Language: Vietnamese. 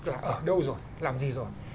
là ở đâu rồi làm gì rồi